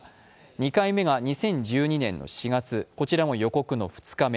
２回目が２０１２年の４日、これも予告の２日目。